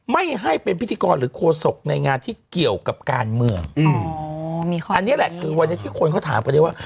ไม่ให้เป็นพิธีกรหรือโคศกในงานที่เกี่ยวกับการเมืองอืมอันนี้แหละคือวันนี้ที่คนเขาถามกันได้ว่า